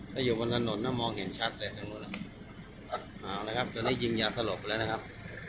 ถ้าอยู่บนถนนน่ะมองเห็นชัดแต่ทางนู้นเอาละครับตอนนี้ยิงยาสลบแล้วนะครับ